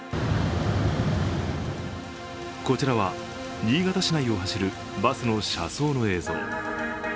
こちらは、新潟市内を走るバスの車窓の映像。